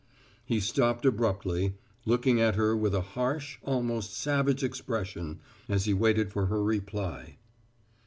He stopped abruptly, looking at her with a harsh, almost savage expression, as he waited for her reply.